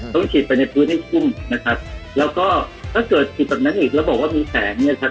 ต้องฉีดไปในพื้นให้คุ้มนะครับแล้วก็ถ้าเกิดผิดแบบนั้นอีกแล้วบอกว่ามีแสงเนี่ยครับ